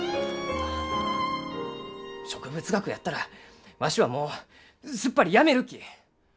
植物学やったらわしはもうすっぱりやめるき！